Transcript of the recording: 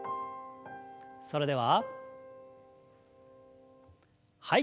それでははい。